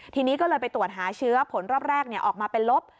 ทีนี้ก็เลยไปตรวจหาเชื้อผลรอบแรกออกมาเป็นลบ